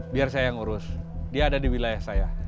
biar saya yang urus dia ada di wilayah saya